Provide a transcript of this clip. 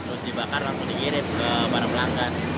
terus dibakar langsung dikirim ke para pelanggan